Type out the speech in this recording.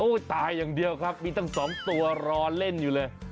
ตายอย่างเดียวครับมีตั้ง๒ตัวรอเล่นอยู่เลย